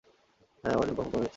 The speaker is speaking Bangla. হ্যাঁ, আমরা এখন বড় হয়েছি।